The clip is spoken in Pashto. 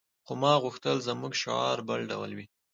خو ما غوښتل زموږ شعار بل ډول وي